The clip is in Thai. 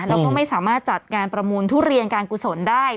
แล้วก็ไม่สามารถจัดงานประมูลทุเรียนการกุศลได้